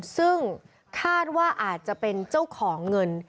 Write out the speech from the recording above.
ซึ่งคาดว่าอาจจะเป็นเจ้าของเงิน